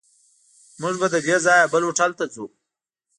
موږ به له دې ځایه بل هوټل ته ځو.